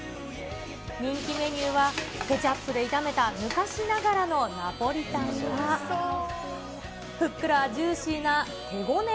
人気メニューはケチャップで炒めた昔ながらのナポリタンや、ふっくらジューシーな手ごね